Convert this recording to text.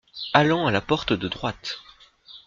Allant à la porte de droite.